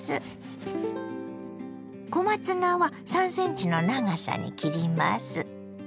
小松菜は３ｃｍの長さに切ります。